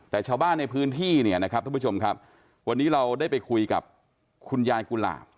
แต่ชาวบ้านในพื้นที่เนี่ยนะครับท่านผู้ชมครับวันนี้เราได้ไปคุยกับคุณยายกุหลาบ